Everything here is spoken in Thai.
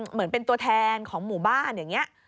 เหมือนเป็นตัวแทนของหมู่บ้านอย่างนี้